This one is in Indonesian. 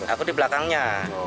aku di belakangnya